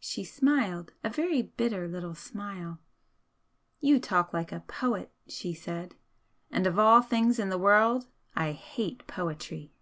She smiled, a very bitter little smile. "You talk like a poet," she said "And of all things in the world I hate poetry!